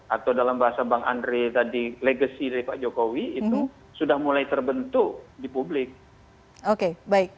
atau dalam bahasa bang andre tadi legacy dari pak jokowi itu sudah mulai terbentuk di publik